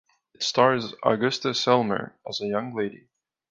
It stars Augusta Selmer as a young lady.